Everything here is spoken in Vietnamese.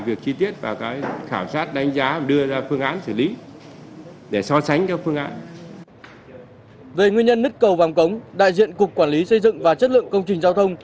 về nguyên nhân nứt cầu vòng cống đại diện cục quản lý xây dựng và chất lượng công trình giao thông